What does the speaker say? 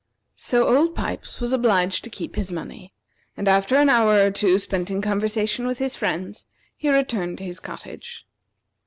So Old Pipes was obliged to keep his money, and after an hour or two spent in conversation with his friends, he returned to his cottage.